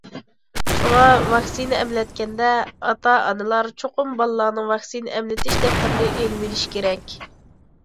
شۇڭا ۋاكسىنا ئەملەتكەندە، ئاتا- ئانىلار چوقۇم بالىلارنىڭ ۋاكسىنا ئەملىتىش دەپتىرىنى ئېلىۋېلىشى كېرەك.